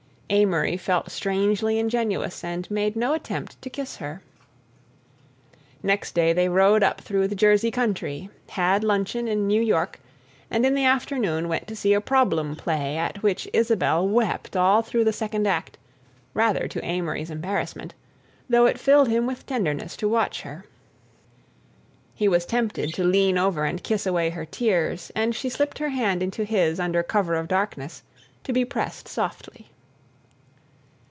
Amory felt strangely ingenuous and made no attempt to kiss her. Next day they rode up through the Jersey country, had luncheon in New York, and in the afternoon went to see a problem play at which Isabelle wept all through the second act, rather to Amory's embarrassment—though it filled him with tenderness to watch her. He was tempted to lean over and kiss away her tears, and she slipped her hand into his under cover of darkness to be pressed softly.